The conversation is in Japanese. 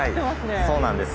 はいそうなんです。